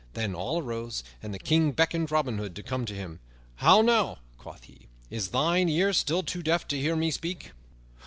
Then all arose and the King beckoned Robin Hood to come to him. "How now," quoth he, "is thine ear still too deaf to hear me speak?"